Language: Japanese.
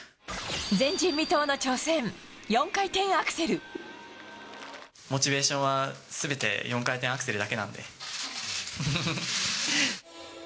前人未到の挑戦、４回転アクモチベーションは、すべて４回転アクセルだけなんで。